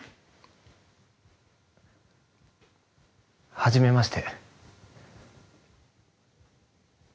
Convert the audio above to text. はじめまして。